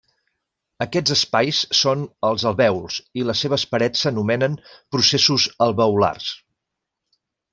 Aquests espais són els alvèols i les seves parets s'anomenen processos alveolars.